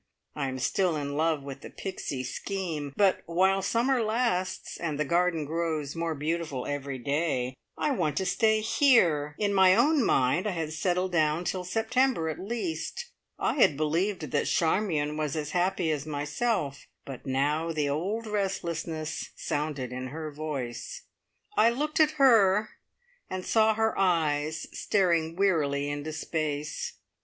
I am still in love with the Pixie scheme; but, while summer lasts, and the garden grows more beautiful every day, I want to stay here! In my own mind I had settled down till September at least. I had believed that Charmion was as happy as myself, but now the old restlessness sounded in her voice. I looked at her, and saw her eyes staring wearily into space.